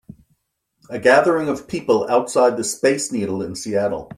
A gathering of people outside of the Space Needle in Seattle.